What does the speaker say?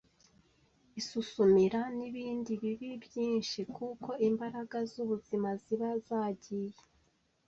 isusumira, n’ibindi bibi byinshi, kuko imbaraga z’ubuzima ziba zagiye